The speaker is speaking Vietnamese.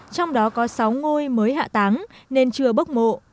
trong đó có sáu ngôi mới hạ tán nên chưa bốc mộ